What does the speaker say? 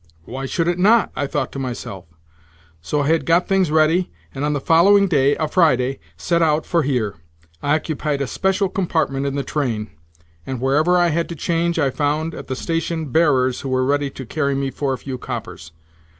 'Why should it not?' I thought to myself. So I had got things ready, and on the following day, a Friday, set out for here. I occupied a special compartment in the train, and where ever I had to change I found at the station bearers who were ready to carry me for a few coppers.